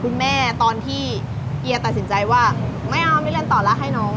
คุณแม่ตอนที่เฮียตัดสินใจว่าไม่เอาไม่เรียนต่อแล้วให้น้อง